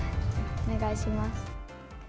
お願いします。